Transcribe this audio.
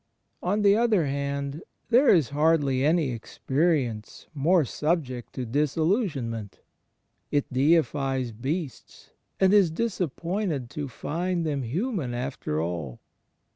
On the other hand, there is hardly any experience more subject to disillusionment. It deifies beasts, and is disappointed to find them human after all.